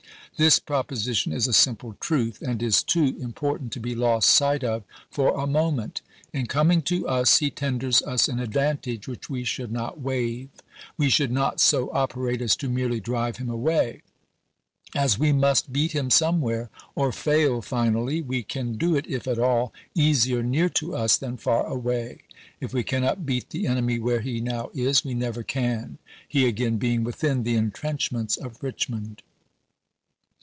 This proposition is a simple truth, and is too important to be lost sight of for a moment. In coming to us he tenders us an advantage which we should not waive. We should not so operate as to merely drive him away. As we must beat him somewhere or fail finally, we can do it, if at all, easier near to us than far away. If we cannot beat the enemy where he now is, we never can, he again being within the intrenchments of Richmond.